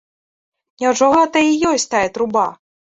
Няўжо гэта і ёсць тая труба?